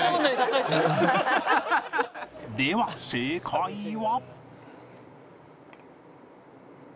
では正解は